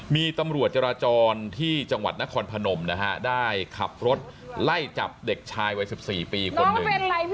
มีตำรวจจราจรที่จังหวัดนครพนมนะฮะได้ขับรถไล่จับเด็กชายวัย๑๔ปีคนหนึ่ง